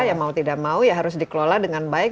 ya mau tidak mau ya harus dikelola dengan baik